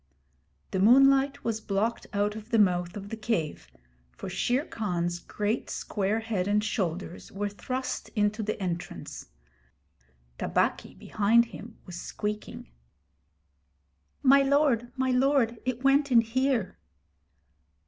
The moonlight was blocked out of the mouth of the cave, for Shere Khan's great square head and shoulders were thrust into the entrance. Tabaqui, behind him, was squeaking: 'My lord, my lord, it went in here!'